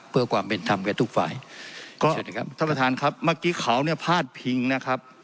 เพื่อความเป็นธรรมกับทุกฝ่ายก็ถ้าประธานครับเมื่อกี้เขาเนี้ยพลาดพิงนะครับ